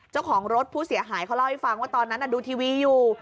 เจ้าของรถผู้เสียหายเขาเล่าให้ฟังว่าตอนนั้นดูทีวีอยู่